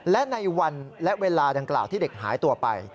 และในวันและเวลาดังกล่าวที่เด็กหายตัวไป